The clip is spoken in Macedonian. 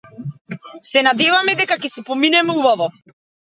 Се надеваме дека ќе си поминеме убаво.